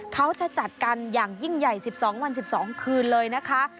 เขาจะจัดกันอย่างยิ่งใหญ่๑๒วัน๑๒คืนเลยนะคะ